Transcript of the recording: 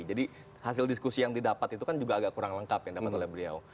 jadi hasil diskusi yang didapat itu kan juga agak kurang lengkap yang dapat oleh beliau